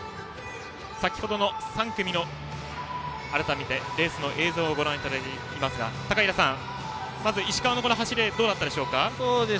先程の３組のレースの映像を改めてご覧いただいていますが高平さん、石川の走りはどうだったでしょうか。